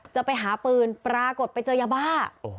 จะไปหาปืนปรากฏไปเจอยาบ้า